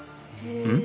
うん？